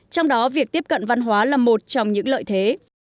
trong đó việc tiếp cận văn hóa là một trong những lợi thế